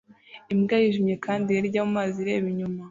Imbwa yijimye kandi yera ijya mumazi ireba inyuma